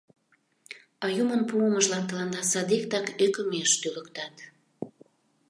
А юмын пуымыжлан тыланда садиктак ӧкымеш тӱлыктат.